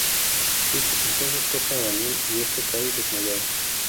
Shifu entonces toca a Daniel, y este cae desmayado.